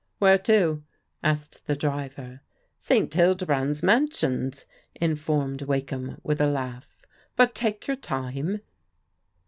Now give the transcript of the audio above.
" Where to? " asked the driver. " St. Hildebrand's Mansions," informed Wakeham with a laugh, " but take your time."